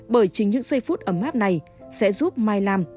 bởi chính những giây phút ấm áp này sẽ giúp mai làm